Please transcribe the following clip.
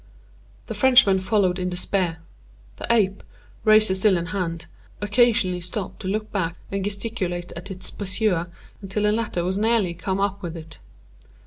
The Frenchman followed in despair; the ape, razor still in hand, occasionally stopping to look back and gesticulate at its pursuer, until the latter had nearly come up with it.